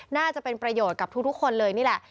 น่าจะเป็นประโยชน์กับทุกคนเลยนี่แหละ